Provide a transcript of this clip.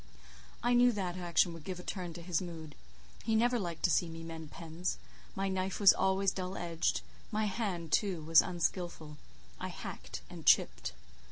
I knew that action would give a turn to his mood. He never liked to see me mend pens; my knife was always dull edged—my hand, too, was unskilful; I hacked and chipped.